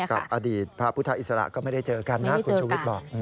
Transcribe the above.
กับอดีตพระพุทธอิสระก็ไม่ได้เจอกันนะคุณชูวิทย์บอก